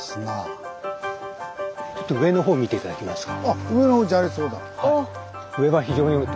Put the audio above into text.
ちょっと上の方見て頂けますか。